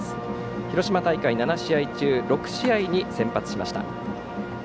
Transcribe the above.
広島大会７試合中６試合に先発。